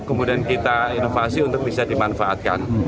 kemudian kita inovasi untuk bisa dimanfaatkan